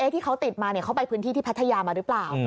ที่เขาติดมาเขาไปพื้นที่ที่พัทยามาหรือเปล่า